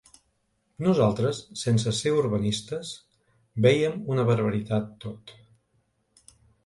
Nosaltres, sense ser urbanistes, vèiem una barbaritat tot.